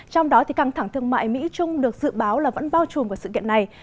trong đó căng thẳng thương mại mỹ trung được dự báo là vẫn bao trùm của sự kiện này